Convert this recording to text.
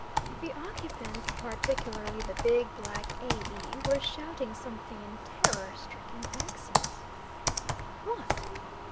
The occupants, particularly the big black A. B., were shouting something in terror stricken accents. "What?"